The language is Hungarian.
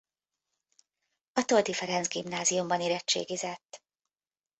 A Toldy Ferenc Gimnáziumban érettségizett.